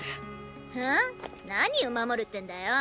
あん⁉何を守るってんだよ！